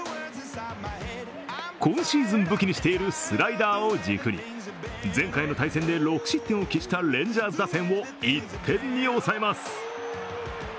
今シーズン武器にしているスライダーを軸に前回の対戦で６失点を喫したレンジャーズ打線を１点に抑えます。